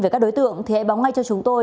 về các đối tượng thì hãy báo ngay cho chúng tôi